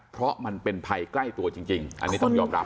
เพราะมันเป็นภัยใกล้ตัวจริงอันนี้ต้องยอมรับ